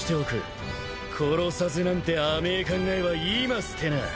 殺さずなんて甘え考えは今捨てな。